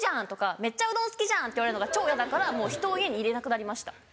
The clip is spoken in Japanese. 「めっちゃうどん好きじゃん」って言われるのが超ヤダからひとを家に入れなくなりました。